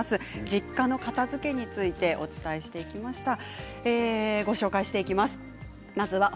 実家の片づけについてお伝えしていきました。